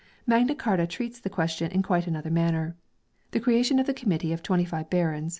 Magna Carta treats the question in quite another manner. The creation of the committee of twenty five barons (ch.